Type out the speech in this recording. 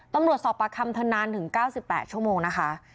ตำรวจสอบปากคำเธอนานถึง๙๘ชั่วโมงนะคะ